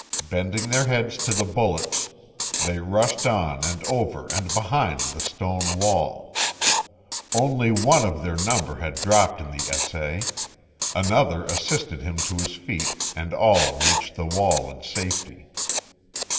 Bending their heads to the bullets, they rushed on and over and behind the stone wall. Only one of their number had dropped in the essay. Another assisted him to his feet, and all reached the wall in safety.